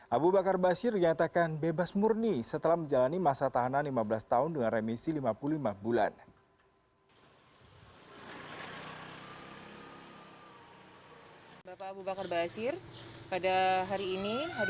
abu bakar basir dinyatakan bebas murni setelah menjalani masa tahanan lima belas tahun dengan remisi lima puluh lima bulan